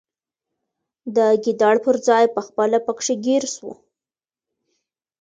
د ګیدړ پر ځای پخپله پکښي ګیر سو